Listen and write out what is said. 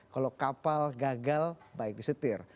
kalau kapal gagal baik disetir